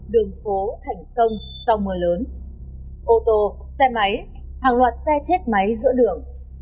đường phố thành sông sau mưa lớn ô tô xe máy hàng loạt xe chết máy giữa đường